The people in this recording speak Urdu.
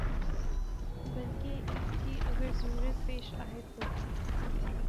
بلکہ اس کی اگر ضرورت پیش آئے تو